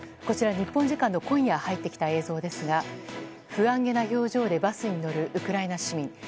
こちら、日本時間の今夜入ってきた映像ですが不安げな表情でバスに乗るウクライナ市民。